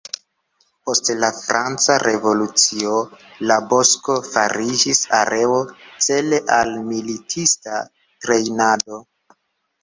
Post la franca revolucio, la bosko fariĝis areo cele al militista trejnado.